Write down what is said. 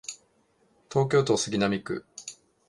東京都杉並区